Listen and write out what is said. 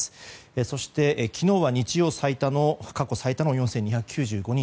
そして、昨日は日曜過去最多の４２９５人。